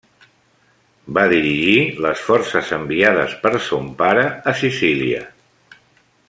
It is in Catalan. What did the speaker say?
Va dirigir les forces enviades per son pare a Sicília.